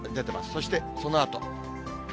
そしてそのあと。